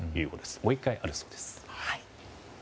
もう１回、あるそうです。